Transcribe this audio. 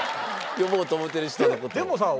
呼ぼうと思ってる人の事を。